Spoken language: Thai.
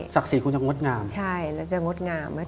สักศีรภ์อยากที่ดีที่สุด